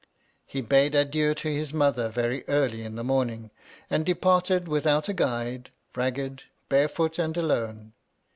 He bade adieu to his mother very early in the morning, and departed without a guide, ragged, barefoot, and alone.